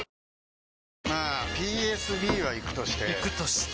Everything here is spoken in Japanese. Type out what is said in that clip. まあＰＳＢはイクとしてイクとして？